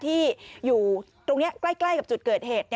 ที่อยู่ตรงนี้ใกล้กับจุดเกิดเหตุ